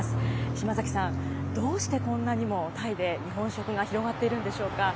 島崎さん、どうしてこんなにもタイで日本食が広がっているんでし